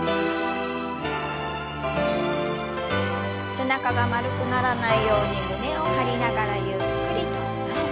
背中が丸くならないように胸を張りながらゆっくりと前。